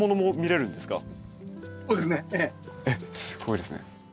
えっすごいですね。